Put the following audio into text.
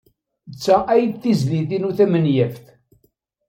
D ta ay d tizlit-inu tamenyaft.